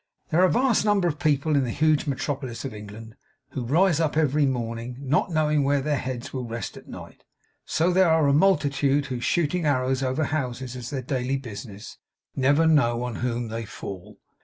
As there are a vast number of people in the huge metropolis of England who rise up every morning not knowing where their heads will rest at night, so there are a multitude who shooting arrows over houses as their daily business, never know on whom they fall.